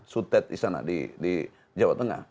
sutet di sana di jawa tengah